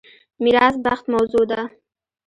میراث بخت موضوع ده.